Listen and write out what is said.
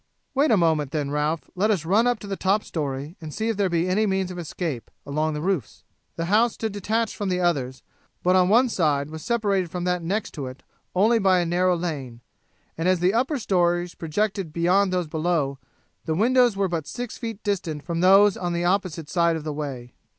"Wait a moment then, Ralph; let us run up to the top storey and see if there be any means of escape along the roofs." The house stood detached from the others, but on one side was separated from that next to it only by a narrow lane, and as the upper stories projected beyond those below, the windows were but six feet distant from those on the opposite side of the way.